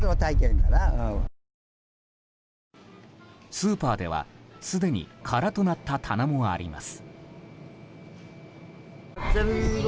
スーパーではすでに空となった棚もあります。